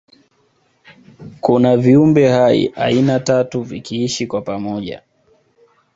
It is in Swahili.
kuna viumbe hai aina tatu vikiishi kwa pamoja